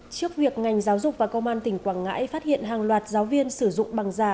trước việc ngành giáo dục và công an tỉnh quảng ngãi phát hiện hàng loạt giáo viên sử dụng bằng giả